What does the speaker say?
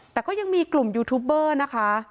แต่ก็ยังมีกลุ่มยูทูบเบอร์นะคะ